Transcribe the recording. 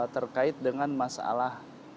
terkait dengan masalah